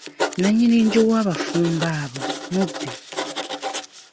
Nannyini nju w'abafumbo abo mubbi.